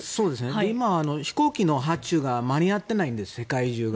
今、飛行機の発注が間に合っていないんです世界中が。